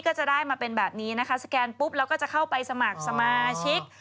ก็จะได้มาเป็นแบบนี้นะคะสแกนปุ๊บแล้วก็จะเข้าไปสมัครสมาชิก